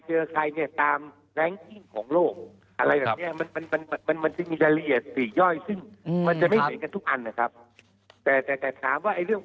เจอใครเนี่ยตามแรงของโลกอะไรแบบเนี้ยมันมันมันมัน